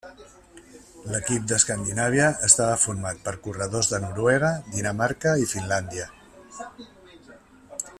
L'equip d'Escandinàvia estava format per corredors de Noruega, Dinamarca i Finlàndia.